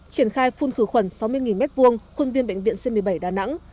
triển khai phun khử khuẩn sáu mươi m hai khuôn viên bệnh viện c một mươi bảy đà nẵng